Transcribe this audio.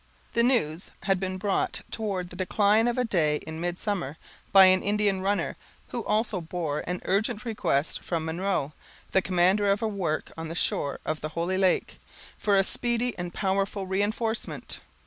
The news had been brought, toward the decline of a day in midsummer, by an Indian runner, who also bore an urgent request from Munro, the commander of a work on the shore of the "holy lake," for a speedy and powerful reinforcement.